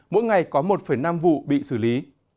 mỗi ngày có một năm vụ bị xử lý